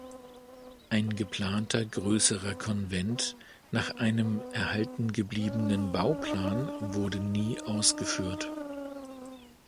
Ein geplanter größerer Konvent, nach einem erhalten gebliebenen Bauplan, wurde nie ausgeführt.